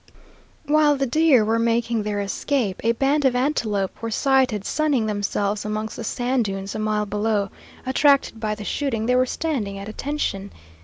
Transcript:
While the deer were making their escape, a band of antelope were sighted sunning themselves amongst the sand dunes a mile below; attracted by the shooting, they were standing at attention.